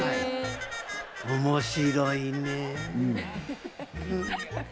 面白いね。